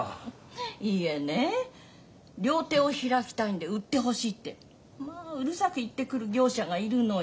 いえね料亭を開きたいんで売ってほしいってまあうるさく言ってくる業者がいるのよ。